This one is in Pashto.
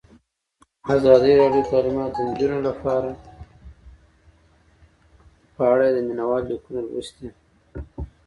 ازادي راډیو د تعلیمات د نجونو لپاره په اړه د مینه والو لیکونه لوستي.